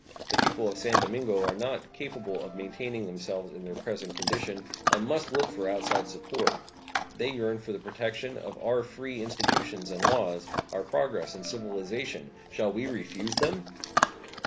The people of San Domingo are not capable of maintaining themselves in their present condition, and must look for outside support. They yearn for the protection of our free institutions and laws, our progress and civilization. Shall we refuse them?